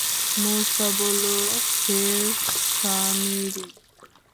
মূসা বলল, হে সামিরী!